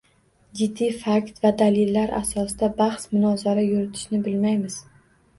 Jiddiy, fakt va dalillar asosida bahs-munozara yuritishni bilmaymiz